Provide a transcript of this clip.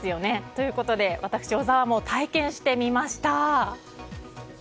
ということで私、小澤も体験してみました。